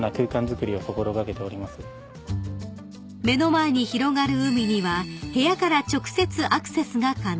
［目の前に広がる海には部屋から直接アクセスが可能］